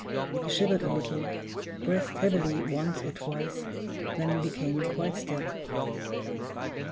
He shivered a little, breathed heavily once or twice, then became quite still.